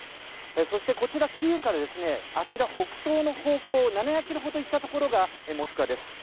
そして、こちらキーウから北東の方向７００ｋｍほど行ったところがモスクワです。